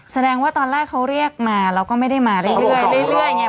แสดงว่าตอนแรกเขาเรียกมาเราก็ไม่ได้มาเรื่อยไง